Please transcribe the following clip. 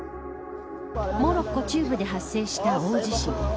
モロッコ中部で発生した大地震。